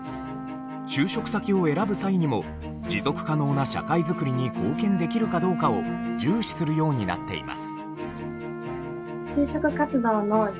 就職先を選ぶ際にも持続可能な社会づくりに貢献できるかどうかを重視するようになっています。